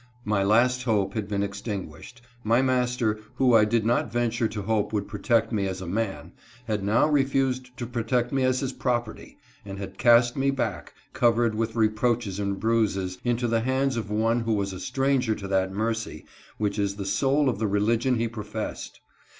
My last hope had been extinguished. My master, who I did not venture to hope would protect me as a man, had now refused to protect me as his property, and had cast me back, covered with reproaches and bruises, into the hands of one who was a stranger to that mercy which is the soul of the religion he professed.